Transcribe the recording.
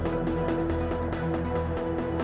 aku mau ke rumah